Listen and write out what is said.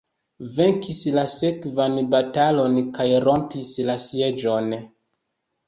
Venkis la sekvan batalon kaj rompis la sieĝon.